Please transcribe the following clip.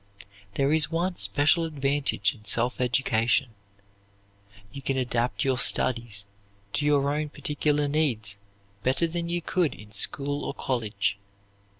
There is one special advantage in self education, you can adapt your studies to your own particular needs better than you could in school or college.